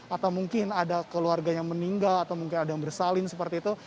atau mungkin ada keluarga yang meninggal atau mungkin ada yang bersalin seperti itu